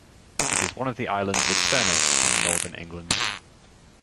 It is one of the Islands of Furness in northern England.